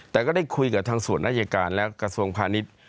แต่ก็ได้คุยกับทางส่วนอายการและกระทรวงพาณิชย์